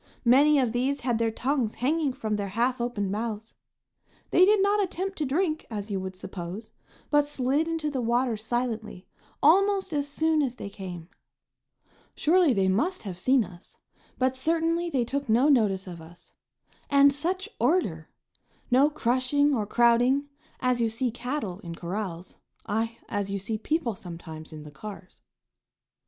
Many of these had their tongues hanging from their half opened mouths. They did not attempt to drink, as you would suppose, but slid into the water silently almost as soon as they came. Surely they must have seen us, but certainly they took no notice of us. And such order! No crushing or crowding, as you see cattle in corrals, aye, as you see people sometimes in the cars.